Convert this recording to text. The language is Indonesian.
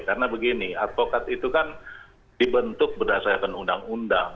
karena begini advokat itu kan dibentuk berdasarkan undang undang